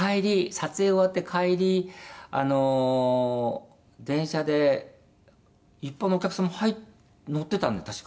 撮影終わって帰り電車で一般のお客さんも乗ってたんです確か」